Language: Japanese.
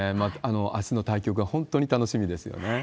あすの対局が本当に楽しみですよね。